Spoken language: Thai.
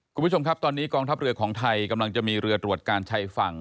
คุณผู้ชมครับตอนนี้กองทัพเรือของไทยกำลังจะมีเรือตรวจการชายฝั่ง